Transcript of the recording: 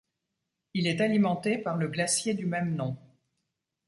Il est alimenté par le glacier du même nom.